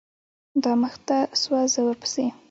دا مخته سوه زه ورپسې.